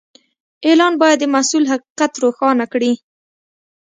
اعلان باید د محصول حقیقت روښانه کړي.